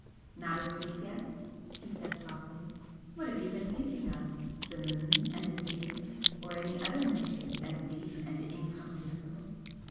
"Not asleep yet!" he said, softly "What have you been thinking of? The moon and the sea? or any other mystery as deep and incomprehensible?"